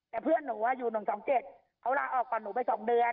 แต่เพื่อนหนูอยู่๑๒๗เขาลาออกก่อนหนูไป๒เดือน